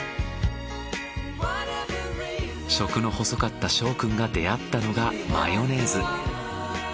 食の細かった翔くんが出会ったのがマヨネーズ。